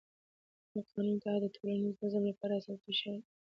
د قانون اطاعت د ټولنیز نظم لپاره اساسي شرط دی